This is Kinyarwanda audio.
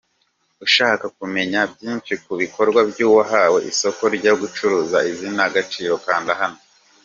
Ushaka kumenya byinshi ku bikorwa by’uwahawe isoko ryo gucuruza izina Agaciro kanda hano.